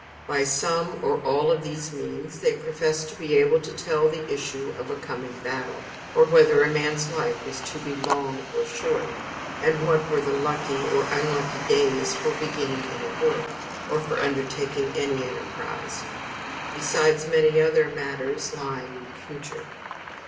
By some or all of these means they professed to be able to tell the issue of a coming battle, or whether a man's life was to be long or short, and what were the lucky or unlucky days for beginning any work, or for undertaking any enterprise; besides many other matters lying in the future.